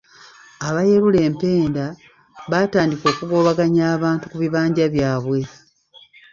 Abayerula empenda baatandika okugobaganya abatuuze ku bibanja byabwe